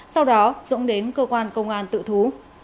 sau đó dũng đến cơ quan công an tự thú